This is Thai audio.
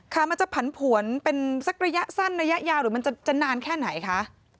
มันจะผันผวนเป็นสักระยะสั้นระยะยาวหรือมันจะนานแค่ไหนคะ